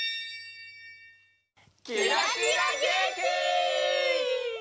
キラキラげんき！